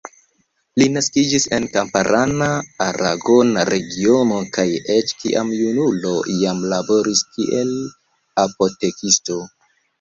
Li naskiĝis en kamparana aragona regiono kaj eĉ kiam junulo jam laboris kiel apotekisto.